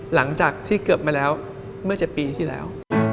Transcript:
หลังจากที่เกือบมาแล้วเมื่อ๗ปีที่แล้ว